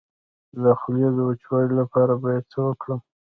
د خولې د وچوالي لپاره باید څه وکړم؟